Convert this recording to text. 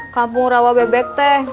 kampung rawa bebek teh